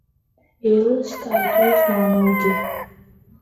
Еилыскааит уи змааноугьы.